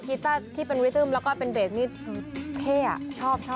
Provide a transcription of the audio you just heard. กีต้าที่เป็นวิธีมและเป็นเบสนี้เค่อ่ะชอบ